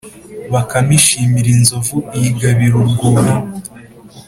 bakame ishimira inzovu, iyigabira urwuri.